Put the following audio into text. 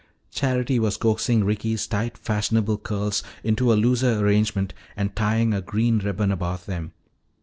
Charity was coaxing Ricky's tight fashionable curls into a looser arrangement and tying a green ribbon about them.